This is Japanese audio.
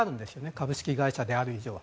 株式会社である以上は。